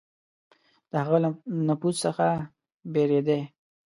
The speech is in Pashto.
د هغه له نفوذ څخه بېرېدی.